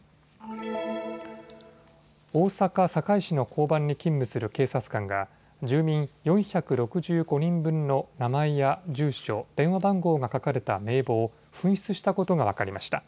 大阪堺市の交番に勤務する警察官が住民４６５人分の名前や住所、電話番号が書かれた名簿を紛失したことが分かりました。